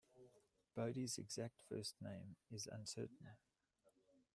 Bodey's exact first name is uncertain.